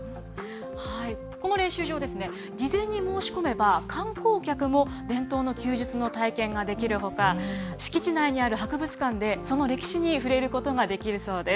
この練習場事前に申し込めば観光客も伝統の弓術の体験ができるほか敷地内にある博物館でその歴史に触れることができるそうです。